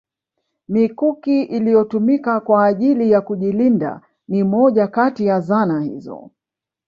Mikuki iliyotumika kwa ajili ya kujilinda ni moja Kati ya zana hizo